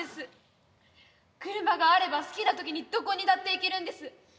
車があれば好きな時にどこにだって行けるんです。